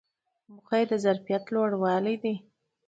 موخه یې د ظرفیت لوړول دي.